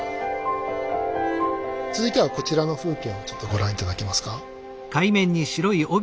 続いてはこちらの風景をちょっとご覧頂けますか。